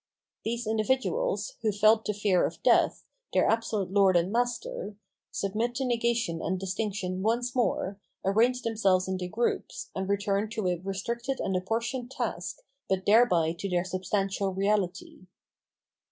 These individuals, who felt the fear of death, their absolute lord and master, submit to negation and distinction once more, arrange themselves into groups, and return to a restricted and apportioned task, but thereby to their substantial reality.